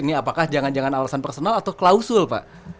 ini apakah jangan jangan alasan personal atau klausul pak